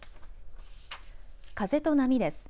風と波です。